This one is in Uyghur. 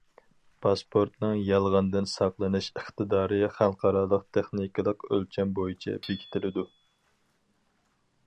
پاسپورتنىڭ يالغاندىن ساقلىنىش ئىقتىدارى خەلقئارالىق تېخنىكىلىق ئۆلچەم بويىچە بېكىتىلىدۇ.